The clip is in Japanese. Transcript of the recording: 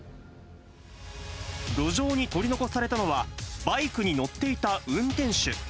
路上に取り残されたのは、バイクに乗っていた運転手。